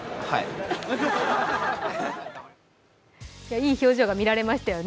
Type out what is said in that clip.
いい表情が見られましたよね。